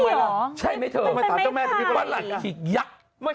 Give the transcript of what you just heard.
ใช่ไหมเธอปรัสขิกยักษ์